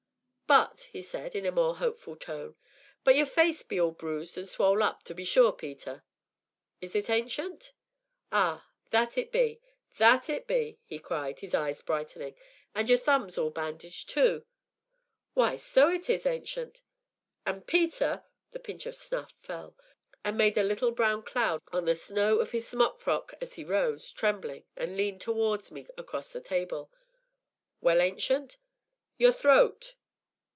"But," said he, in a more hopeful tone, "but your face be all bruised an' swole up, to be sure, Peter." "Is it, Ancient?" "Ah! that it be that it be," he cried, his eyes brightening, "an' your thumb all bandaged tu." "Why, so it is, Ancient." "An' Peter !" The pinch of snuff fell, and made a little brown cloud on the snow of his smock frock as he rose, trembling, and leaned towards me, across the table. "Well, Ancient?" "Your throat